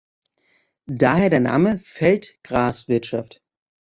Daher der Name „Feld-Gras-Wirtschaft“.